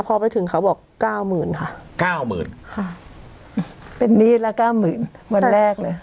พอไปถึงเขาบอกเก้าหมื่นค่ะเก้าหมื่นค่ะเป็นหนี้ละเก้าหมื่นวันแรกเลย